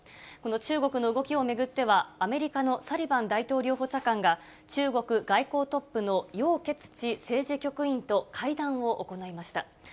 この中国の動きを巡っては、アメリカのサリバン大統領補佐官が、中国外交トップの楊潔ち政治局員と会談を行いました。